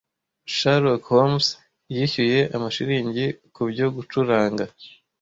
Sherlock Holmes yishyuye amashiringi kubyo gucuranga